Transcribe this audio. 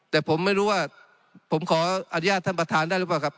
แต่ผมไม่รู้ว่าผมขออนุญาตท่านประธานได้หรือเปล่าครับ